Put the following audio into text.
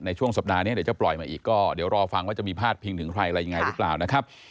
ช่วงสัปดาห์นี้เดี๋ยวจะปล่อยมาอีกก็เดี๋ยวรอฟังว่าจะมีพาดพิงถึงใครอะไรยังไงหรือเปล่านะครับ